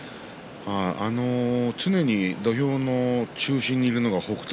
常に土俵の中心にいるのが北勝